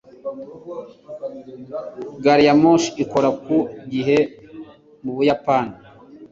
gariyamoshi ikora ku gihe mu buyapani